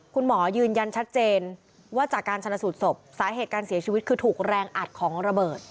คุณหมอยืนยันชัดเจนว่าจากการชนะสูตรศพสาเหตุการเสียชีวิตคือถูกแรงอัดของระเบิด